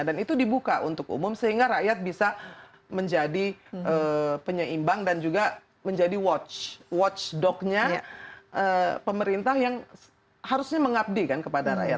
dan itu dibuka untuk umum sehingga rakyat bisa menjadi penyeimbang dan juga menjadi watchdognya pemerintah yang harusnya mengabdikan kepada rakyat